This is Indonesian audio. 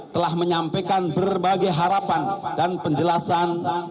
telah menyampaikan berbagai harapan dan penjelasan